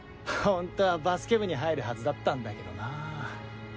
ほんとはバスケ部に入るはずだったんだけどなぁ。